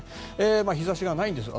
日差しがないんです。